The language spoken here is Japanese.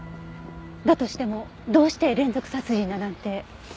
だとしてもどうして連続殺人だなんて？